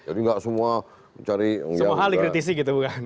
jadi gak semua mencari semua hal dikritisi gitu bukan